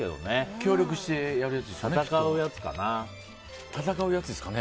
協力してやるやつですかね。